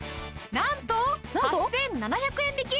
なんと８７００円引き。